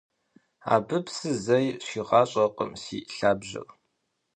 Абы псы зэи щигъащӀэркъым си лъабжьэр.